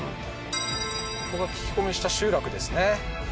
ここが聞き込みした集落ですね